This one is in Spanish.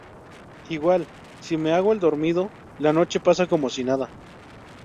igual, si me hago el dormido, la noche pasa como si nada.